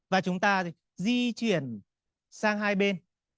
và chúng ta di chuyển sang hai bên